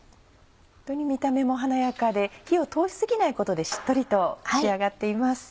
ホントに見た目も華やかで火を通し過ぎないことでしっとりと仕上がっています。